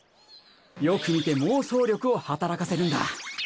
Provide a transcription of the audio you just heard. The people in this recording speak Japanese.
よく見て妄想力を働かせるんだ。